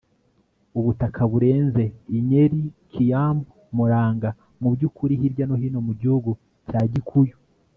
ubutaka burenze; i nyeri, kiambu, murang'a; mubyukuri hirya no hino mugihugu cya gikuyu